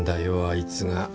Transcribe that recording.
あいつが。